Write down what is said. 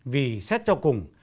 vì xét cho cùng